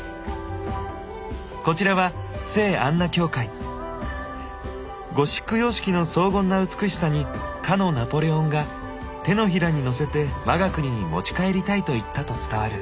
こちらはゴシック様式の荘厳な美しさにかのナポレオンが「手のひらにのせてわが国に持ち帰りたい」と言ったと伝わる。